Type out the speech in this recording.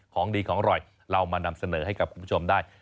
ของดีของอร่อยเรามานำเสนอให้กับคุณผู้ชมได้